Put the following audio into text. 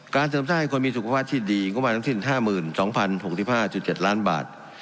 ๑การเสริมทราบให้คนมีสุขภาพที่ดีกว่ามาตั้งที่๕๒๐๖๕๗ล้านบาท